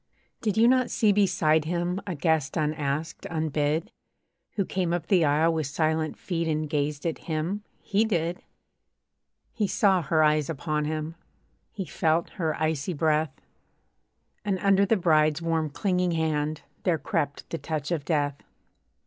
Did you not see beside him A guest unasked, unbid? Who came up the aisle with silent feet And gazed at him? he did! He saw her eyes upon him, He felt her icy breath; And under the bride's warm clinging hand There crept the touch of death.